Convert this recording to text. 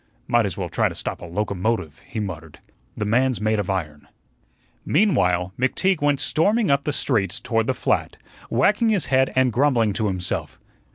"Might as well try to stop a locomotive," he muttered. "The man's made of iron." Meanwhile, McTeague went storming up the street toward the flat, wagging his head and grumbling to himself.